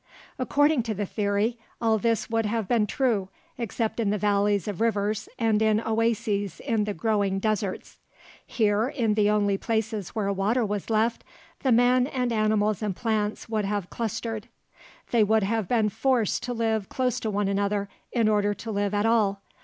According to the theory, all this would have been true except in the valleys of rivers and in oases in the growing deserts. Here, in the only places where water was left, the men and animals and plants would have clustered. They would have been forced to live close to one another, in order to live at all.